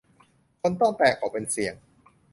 คนต้องแตกออกเป็นเสี่ยง